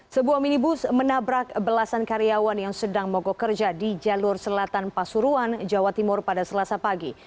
sebuah minibus menabrak belasan karyawan yang sedang mogok kerja di jalur selatan pasuruan jawa timur pada selasa pagi